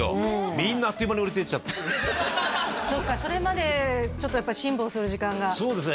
みんなそっかそれまでちょっと辛抱する時間がそうですね